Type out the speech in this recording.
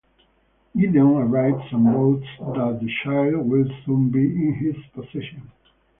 Gideon arrives and boasts that the Child will soon be in his possession.